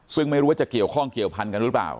ซึ่งไม่รู้ว่าจะเกี่ยวข้องเกี่ยวพันกันหรือเปล่า